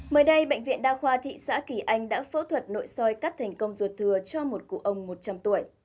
mới đây bệnh viện đa khoa thị xã kỳ anh đã phẫu thuật nội soi cắt thành công ruột thừa cho một cụ ông một trăm linh tuổi